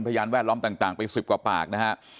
พยานแวดล้อมต่างไป๑๐กว่าปากนะฮะ